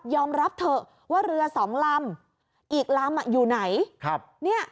รับเถอะว่าเรือสองลำอีกลำอยู่ไหน